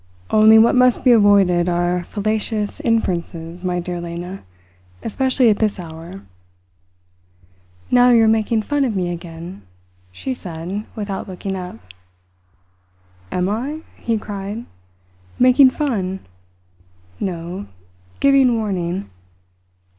"Only what must be avoided are fallacious inferences, my dear Lena especially at this hour." "Now you are making fun of me again," she said without looking up. "Am I?" he cried. "Making fun? No, giving warning.